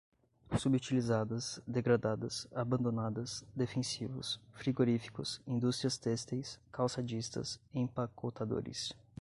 subutilizadas, degradadas, abandonadas, defensivos, frigoríficos, indústrias têxteis, calçadistas, empacotadores